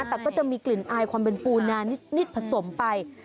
แต่ก็จะมีกลิ่นอายความเป็นปูนานิดผสมไป